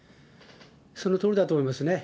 そのとおりだと思いますね。